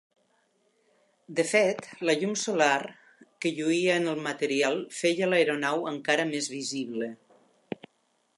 De fet, la llum solar que lluïa en el material feia l'aeronau encara més visible.